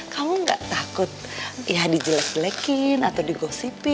kamu nggak takut dijeles jelekin atau digosipin